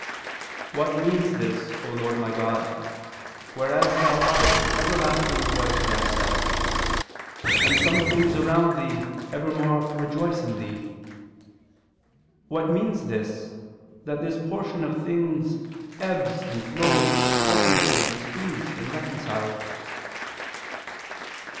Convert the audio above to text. viii, 3): "What means this, O Lord my God, whereas Thou art everlasting joy to Thyself, and some things around Thee evermore rejoice in Thee? What means this, that this portion of things ebbs and flows alternately displeased and reconciled?"